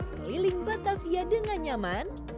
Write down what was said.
keliling batavia dengan nyaman